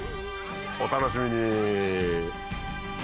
お楽しみに！